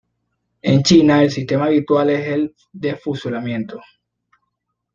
En China, el sistema habitual es el de fusilamiento.